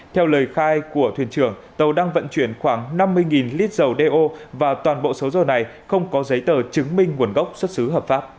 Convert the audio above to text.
theo lời khai của thuyền trưởng tàu đang vận chuyển khoảng năm mươi lít dầu đeo và toàn bộ số dầu này không có giấy tờ chứng minh nguồn gốc xuất xứ hợp pháp